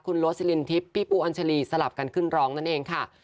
คุณโรสลินทิพย์พี่ปูอัญชาลีสลับกันขึ้นร้องนั่นเองค่ะ